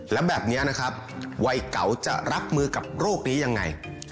แล้วแบบนี้นะครับวัยเก่าจะรับมือกับโรคนี้ยังไง